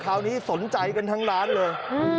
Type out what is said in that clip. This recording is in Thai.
คราวนี้สนใจกันทั้งร้านเลย